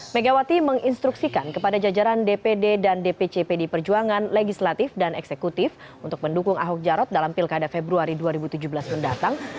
megawati menginstruksikan kepada jajaran dpd dan dpc pd perjuangan legislatif dan eksekutif untuk mendukung ahok jarot dalam pilkada februari dua ribu tujuh belas mendatang